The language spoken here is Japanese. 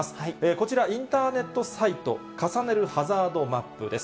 こちら、インターネットサイト、重ねるハザードマップです。